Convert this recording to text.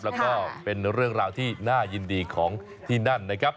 แล้วก็เป็นเรื่องราวที่น่ายินดีของที่นั่นนะครับ